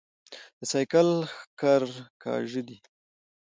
د سايکل ښکر کاژه دي